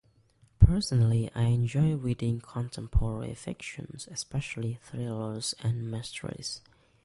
Personally, I enjoy reading contemporary fiction, especially thrillers and mysteries.